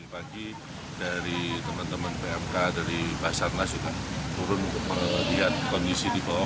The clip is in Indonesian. mulai dari pagi dari teman teman pmk dari basarnas juga turun lihat kondisi di bawah